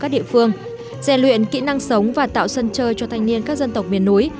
dè luyện kỹ năng sống và tạo sân chơi cho thanh niên các dân tộc miền núi